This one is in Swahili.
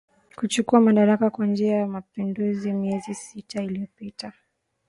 kuchukua madaraka kwa njia ya mapinduzi miezi sita iliyopita